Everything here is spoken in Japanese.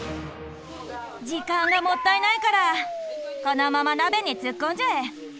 時間がもったいないからこのまま鍋に突っ込んじゃえ！